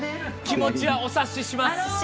気持ちはお察しします。